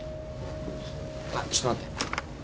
あっちょっと待って。